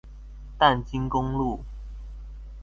淡金公路